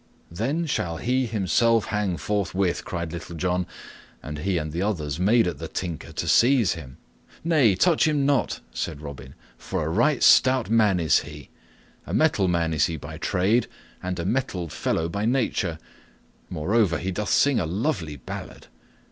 "Then shall he himself hang forthwith," cried Little John, and he and the others made at the Tinker, to seize him. "Nay, touch him not," said Robin, "for a right stout man is he. A metal man he is by trade, and a mettled man by nature; moreover, he doth sing a lovely ballad.